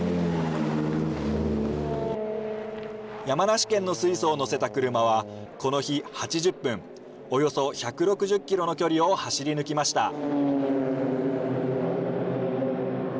山梨県の水素を載せた車は、この日８０分、およそ１６０キロの距離を走り抜きました。